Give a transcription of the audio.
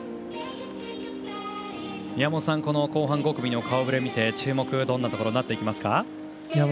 宮本さん、後半５組の顔ぶれを見て注目、どんなところになっていきますか？